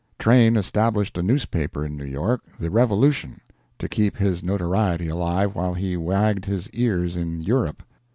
Train established a newspaper in New York (the Revolution) to keep his notoriety alive while he wagged his ears in Europe.